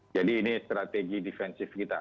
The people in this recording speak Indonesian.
jadi ini strategi defensif kita